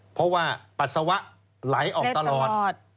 เพราะว่าปัสสาวะไหลออกตลอด